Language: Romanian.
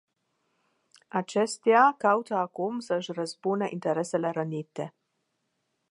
Acestea caută acum să își răzbune interesele rănite.